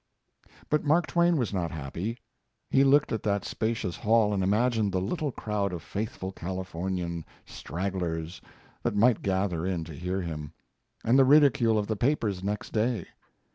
But Mark Twain was not happy. He looked at that spacious hall and imagined the little crowd of faithful Californian stragglers that might gather in to hear him, and the ridicule of the papers next day.